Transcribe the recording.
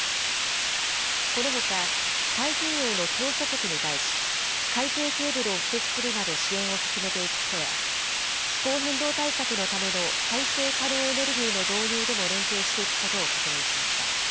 このほか太平洋の島しょ国に対し海底ケーブルを敷設するなど支援を進めていくことや気候変動対策のための再生可能エネルギーの導入でも連携していくことを確認しました。